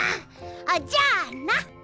あじゃあな。